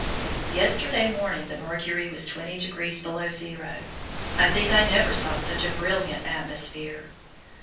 Yesterday morning the mercury was 20 degrees below zero. I think I never saw such a brilliant atmosphere.